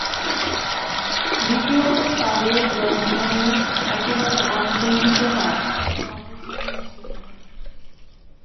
দ্বিতীয়ত কালের জ্ঞান সময় সময় একেবারে অন্তর্হিত হয়, আবার অপর সময় আসিয়া থাকে।